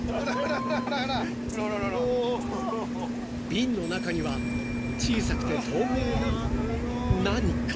［瓶の中には小さくて透明な何か］